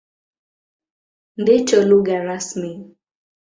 Ndicho lugha rasmi.